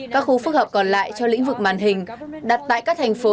các khu phức hợp còn lại cho lĩnh vực màn hình đặt tại các thành phố